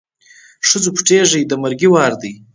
ښځو پټېږی د مرګي وار دی